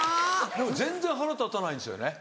でも全然腹立たないんですよね。